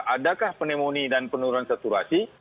adakah pneumonia dan penurunan saturasi